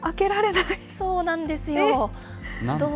そうなんですよ。